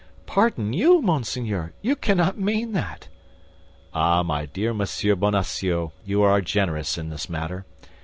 Pardon you, monseigneur! You cannot mean that!" "Ah, my dear Monsieur Bonacieux, you are generous in this matter.